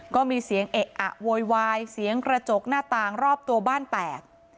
ก็มีเสียงเอะอะโวยวายเสียงกระจกหน้าต่างรอบตัวบ้านแตก